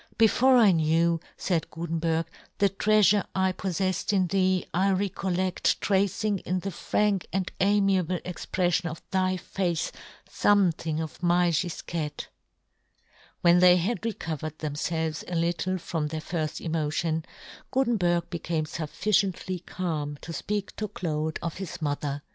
Before I knew," faid Gutenberg, " the treafure I pofTeffed in thee, I " recoUedl tracing in the frank and " amiable expreflion of thy face " fomething of my Gifquette." When they had recovered them felves a little from their firft emotion. yohn Gutenberg. i 19 Gutenberg became fufficiently calm to fpeak to Claude of his mother.